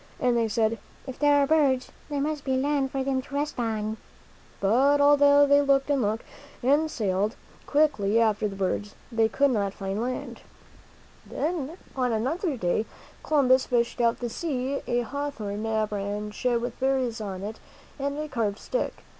And they said, "If there are birds, there must be land for them to rest on." But although they looked and looked, and sailed quickly after the birds, they could not find land. UUIUII4D m f^ w 20 THE MAN WHO FOUND AMERICA y^;^' hpi. ^ •!.*;;f<. Then, on another day, Columbus fished out of the sea a hawthorn branch with berries on it, and a carved stick.